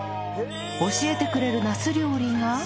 教えてくれるナス料理が